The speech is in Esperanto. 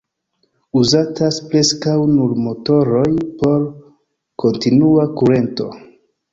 Uzatas preskaŭ nur motoroj por kontinua kurento.